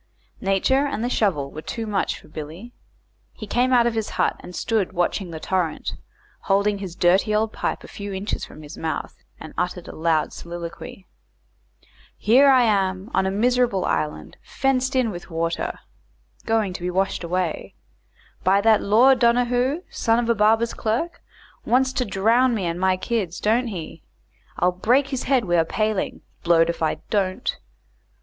Nature and the shovel were too much for Billy. He came out of his hut, and stood watching the torrent, holding his dirty old pipe a few inches from his mouth, and uttered a loud soliloquy: "Here I am on a miserable island fenced in with water going to be washed away by that Lord Donahoo, son of a barber's clerk wants to drown me and my kids don't he I'll break his head wi' a paling blowed if I don't."